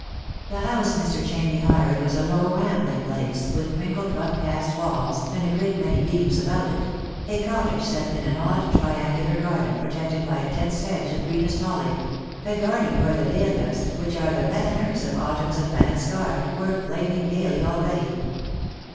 The house Mr. Chamney hired was a low rambling place, witu. crinkled rough cast walls, and a great many beams about it ; a cottage set in an odd triangular garden protected by a dense hedge of greenest holly ; a garden where the dahlias, which are the banners of autumn's advance guard, were flaming gaily already.